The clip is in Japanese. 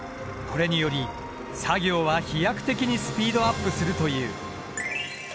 これにより作業は飛躍的にスピードアップするという。